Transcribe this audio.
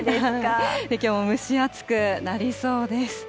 きょうも蒸し暑くなりそうです。